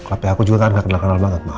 aku juga kan gak kenal kenal banget ma